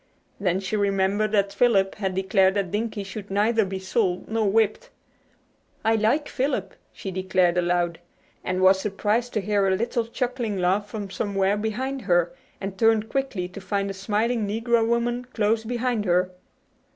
Then she remembered that Philip had declared that Dinkie should neither be sold nor whipped. "I like Philip," she declared aloud, and was surprised to hear a little chuckling laugh from somewhere behind her, and turned quickly to find a smiling negro woman close behind her.